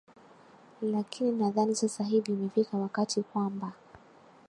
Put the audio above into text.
lakini nadhani sasa hivi imefika wakati kwamba